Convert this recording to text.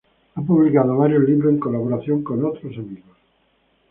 Ha publicado varios libros en colaboración de otros amigos.